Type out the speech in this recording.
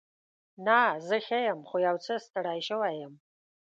نه، زه ښه یم. خو یو څه ستړې شوې یم.